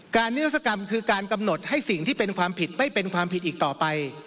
นิรศกรรมคือการกำหนดให้สิ่งที่เป็นความผิดไม่เป็นความผิดอีกต่อไป